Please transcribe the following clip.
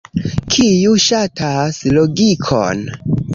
kiu ŝatas logikon